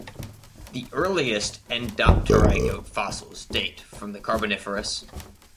The earliest endopterygote fossils date from the Carboniferous.